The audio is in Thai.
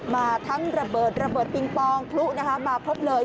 มาทั้งระเบิดระเบิดปิงปองคลุมาพบเลย